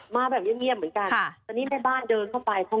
มาแบบเงียบเหมือนกัน